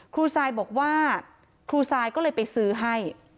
ทรายบอกว่าครูซายก็เลยไปซื้อให้